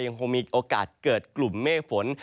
ยังคงมีโอกาสเกิดกลุ่มเมฆฝน